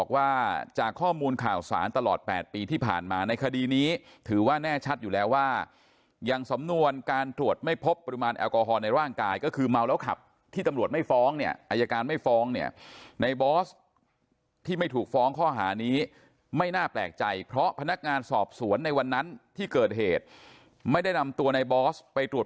ว่าจากข้อมูลข่าวสารตลอด๘ปีที่ผ่านมาในคดีนี้ถือว่าแน่ชัดอยู่แล้วว่าอย่างสำนวนการตรวจไม่พบปริมาณแอลกอฮอลในร่างกายก็คือเมาแล้วขับที่ตำรวจไม่ฟ้องเนี่ยอายการไม่ฟ้องเนี่ยในบอสที่ไม่ถูกฟ้องข้อหานี้ไม่น่าแปลกใจเพราะพนักงานสอบสวนในวันนั้นที่เกิดเหตุไม่ได้นำตัวในบอสไปตรวจ